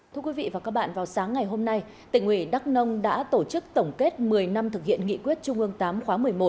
thưa quý vị và các bạn vào sáng ngày hôm nay tỉnh ủy đắk nông đã tổ chức tổng kết một mươi năm thực hiện nghị quyết trung ương tám khóa một mươi một